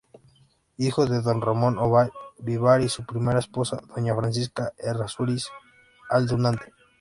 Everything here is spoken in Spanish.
Hijo de don Ramón Ovalle Vivar y su primera esposa, doña Francisca Errázuriz Aldunate.